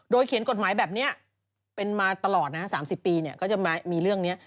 เขียนกฎหมายแบบนี้เป็นมาตลอดนะฮะ๓๐ปีก็จะมีเรื่องนี้